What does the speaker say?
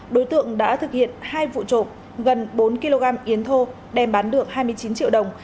đối tượng đã thực hiện hai vụ trộm gần bốn kg yến thô đem bán được hai mươi chín triệu đồng